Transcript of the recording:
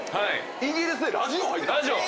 イギリスでラジオ入った⁉ラジオ。